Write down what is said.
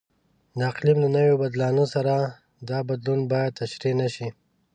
د اقلیم له نوي بدلانه سره دا بدلون باید تشریح نشي.